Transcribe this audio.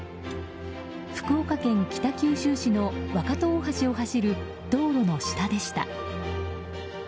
福岡県北九州市の若戸大橋を走る道路の下でした。